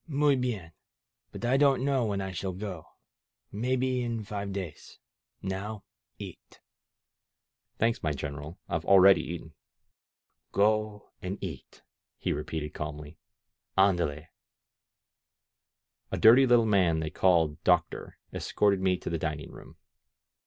Muy hien! But I don't know when I shall go. Maybe in five days. Now eat!" "Thanks, my general, I've already eaten." Go and eat," he repeated calmly. AndaleV* A dirty little man they all called Doctor escorted me to the dining room.